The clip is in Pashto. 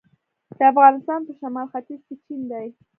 د افغانستان په شمال ختیځ کې چین دی